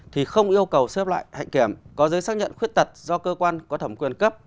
thì không yêu cầu xếp loại hạnh kiểm có giấy xác nhận khuyết tật do cơ quan có thẩm quyền cấp